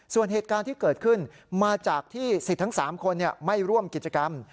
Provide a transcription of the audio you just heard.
ส่วนเหตุการณ์ที่เกิดขึ้นมาจากที่สิทธิ์ทั้ง๓คนไม่ร่วมกิจกรรม